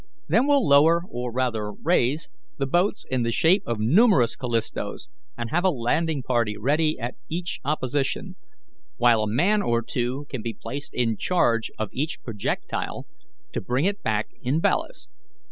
Then we'll lower, or rather raise, the boats in the shape of numerous Callistos, and have a landing party ready at each opposition, while a man or two can be placed in charge of each projectile to bring it back in ballast.